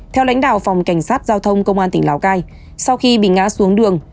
theo lãnh đạo phòng cảnh sát giao thông công an tỉnh lào cai sau khi bị ngã xuống đường